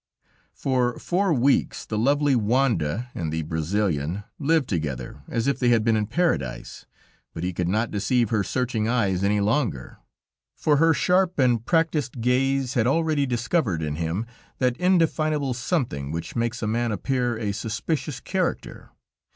For four weeks the lovely Wanda and the Brazilian lived together as if they had been in Paradise, but he could not deceive her searching eyes any longer. For her sharp and practiced gaze had already discovered in him that indefinable something which makes a man appear a suspicious character.